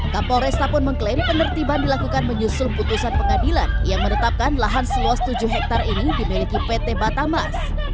kapolresta pun mengklaim penertiban dilakukan menyusul putusan pengadilan yang menetapkan lahan seluas tujuh hektare ini dimiliki pt batamas